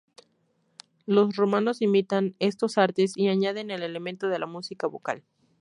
Los romanos imitan estos artes y añaden el elemento de la música vocal.